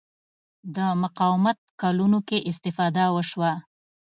د مقاومت کلونو کې استفاده وشوه